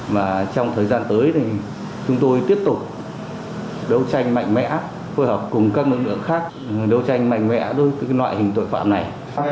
mà trong thời gian tới thì chúng tôi tiếp tục đấu tranh mạnh mẽ phối hợp cùng các lực lượng khác đấu tranh mạnh mẽ đối với loại hình tội phạm này